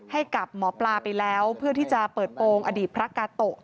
ให้กับหมอปลาไปแล้วเพื่อที่จะเปิดโปรงอดีตพระกาโตะ